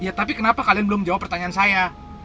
ya tapi kenapa kalian belum jawab pertanyaan saya